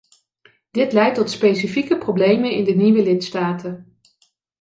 Dit leidt tot specifieke problemen in de nieuwe lidstaten.